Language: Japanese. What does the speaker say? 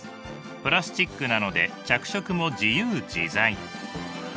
プラスチックなので着色も自由自在。